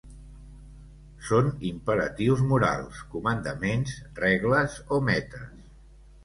Són imperatius morals, comandaments, regles o metes.